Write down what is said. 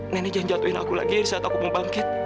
nenek jangan jatuhin aku lagi saat aku mau bangkit